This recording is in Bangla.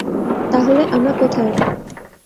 তাহলে, আমরা কোথায়?